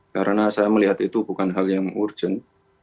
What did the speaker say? karena saya melihat itu bukan hal yang urgent